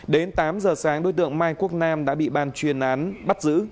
đến tám giờ sáng đối tượng mai quốc nam đã bị ban chuyên án bắt giữ